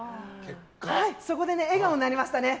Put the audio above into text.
そこで笑顔になりましたね。